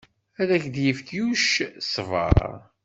Ad ak-d-yefk Yuc ṣṣber.